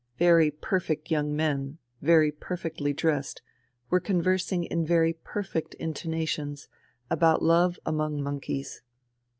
Very perfect young men, very perfectly dressed, were conversing in very perfect intonations about love among monkeys.